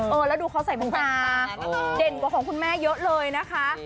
เออแล้วดูเขาใส่มงตาเด่นกว่าของคุณแม่เยอะเลยนะคะ